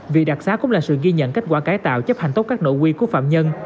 việc đặc xá cũng là sự ghi nhận kết quả cải tạo chấp hành tốt các nội quy của phạm nhân